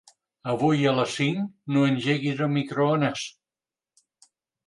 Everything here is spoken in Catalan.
Avui a les cinc no engeguis el microones.